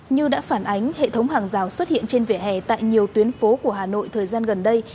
như đã phản ánh hệ thống hàng rào xuất hiện trên vỉa hè tại nhiều tuyến phố của hà nội thời gian gần đây